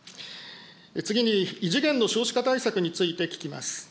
次に、異次元の少子化対策について聞きます。